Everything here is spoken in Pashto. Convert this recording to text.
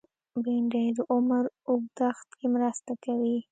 بېنډۍ د عمر اوږدښت کې مرسته کوي